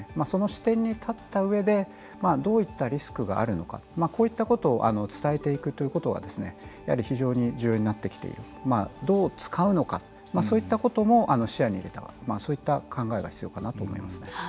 その視点に立った上でどういったリスクがあるのかこういったことを伝えていくということは非常に重要になってきているどう使うのかそういったことも視野に入れたそういった考えが必要かと思います。